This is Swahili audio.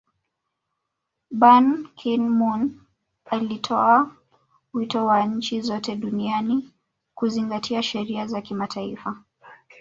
Ban Kin moon alitoa wito kwa nchi zote duniani kuzingatia sheria za kimataifa